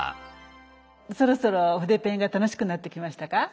そろそろ筆ペンが楽しくなってきましたか？